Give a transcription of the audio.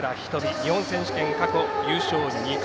日本選手権、過去優勝２回。